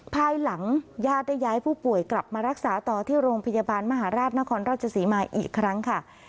ภายหลังญาติได้ย้ายผู้ป่วยกลับมารักษาต่อที่โรงพยาบาลมหาราชนครราชศรีมาอีกครั้งค่ะ